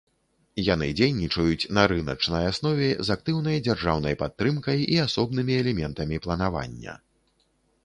Яны дзейнічаюць на рыначнай аснове з актыўнай дзяржаўнай падтрымкай і асобнымі элементамі планавання.